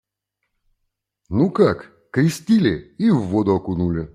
Ну как, крестили и в воду окунули.